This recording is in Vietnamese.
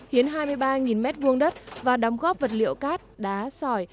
hiến hai mươi ba mét vuông đất và đóng góp vật liệu cát đá sỏi